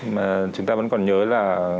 mà chúng ta vẫn còn nhớ là